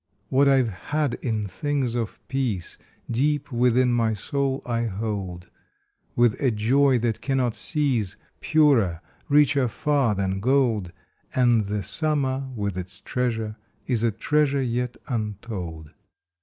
What I ve had in things of peace Deep within my soul I hold, With a joy that cannot cease, Purer, richer far than gold And the summer with its treasure is a treasure yet untold.